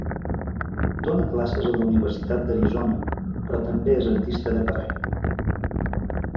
Dóna classes a la Universitat d'Arizona, però també és artista de carrer.